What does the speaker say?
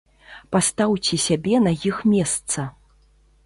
Пастаўце сябе на іх месца.